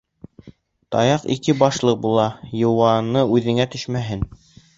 Таяҡ ике башлы була, йыуаны үҙеңә төшмәһен.